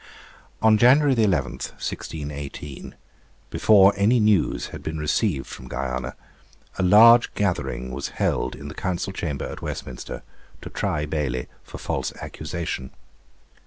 On January 11, 1618, before any news had been received from Guiana, a large gathering was held in the Council Chamber at Westminster, to try Bailey for false accusation.